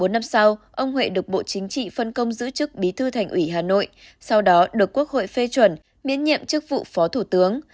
bốn năm sau ông huệ được bộ chính trị phân công giữ chức bí thư thành ủy hà nội sau đó được quốc hội phê chuẩn miễn nhiệm chức vụ phó thủ tướng